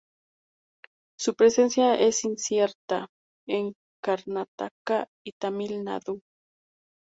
Su presencia es incierta en Karnataka y Tamil Nadu.